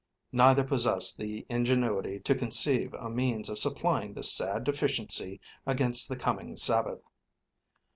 Neither possessed the ingenuity to conceive a means of supplying the sad deficiency against the coming Sabbath.